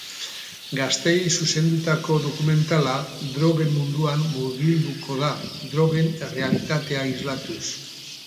Gazteei zuzendutako dokumentala, drogen munduan murgilduko da, drogen errealitatea islatuz.